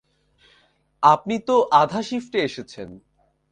আপনি তো আধা শিফটে এসেছেন।